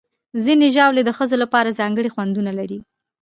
ځینې ژاولې د ښځو لپاره ځانګړي خوندونه لري.